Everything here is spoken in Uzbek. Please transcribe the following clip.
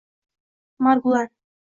Margulan